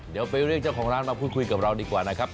เดี๋ยวไปเรียกเจ้าของร้านมาพูดคุยกับเราดีกว่านะครับ